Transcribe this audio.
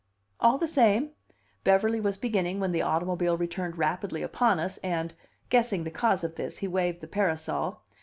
"All the same," Beverly was beginning, when the automobile returned rapidly upon us, and, guessing the cause of this, he waved the parasol.